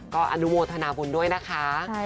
ก็อนุโมทนาบุญด้วยนะคะ